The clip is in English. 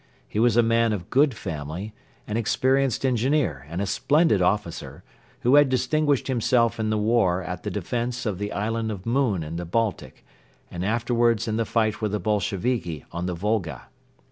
He was a man of good family, an experienced engineer and a splendid officer, who had distinguished himself in the war at the defence of the island of Moon in the Baltic and afterwards in the fight with the Bolsheviki on the Volga.